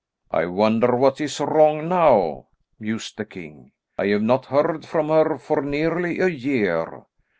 "I wonder what is wrong now?" mused the king. "I have not heard from her for nearly a year.